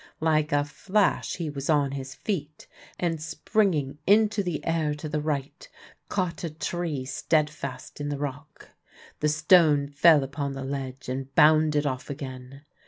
Like a flash he was on his feet, and, spring ing into the air to the right, caught a tree steadfast in the rock. The stone fell upon the ledge and bounded ofif again.